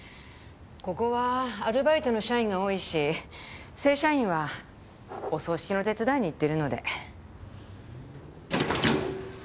ここはアルバイトの社員が多いし正社員はお葬式の手伝いに行ってるので。